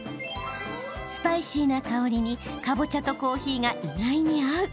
スパイシーな香りにかぼちゃとコーヒーが意外に合う。